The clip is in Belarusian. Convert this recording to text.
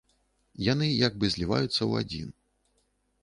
Яны як бы зліваюцца ў адзін.